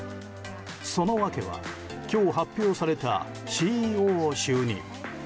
その訳は今日発表されたＣＥＯ就任。